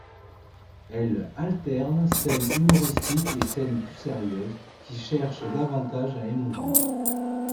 Elle alterne scènes humoristiques et scènes plus sérieuses, qui cherchent davantage à émouvoir.